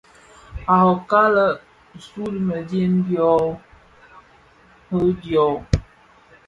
A robka lë risoo di mëdyëm dyô rì dyô.